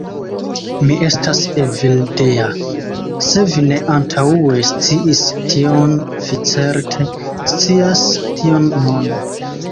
Mi estas Evildea. Se vi ne antaŭe sciis tion, vi certe scias tion nun.